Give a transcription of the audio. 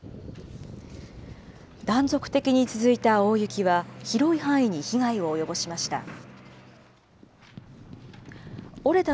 断続的に続いた大雪は、広い範囲に被害を及ぼしました。